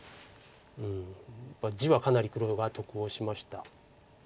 地はかなり黒が得をしました。